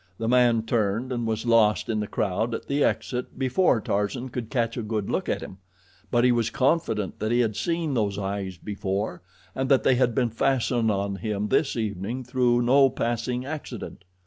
The man turned and was lost in the crowd at the exit before Tarzan could catch a good look at him, but he was confident that he had seen those eyes before and that they had been fastened on him this evening through no passing accident.